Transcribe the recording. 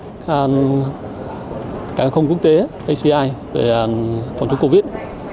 tổ chức cảng không quốc tế aci về phòng chống covid